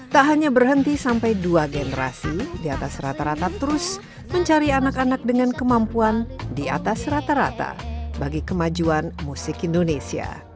tak hanya berhenti sampai dua generasi di atas rata rata terus mencari anak anak dengan kemampuan di atas rata rata bagi kemajuan musik indonesia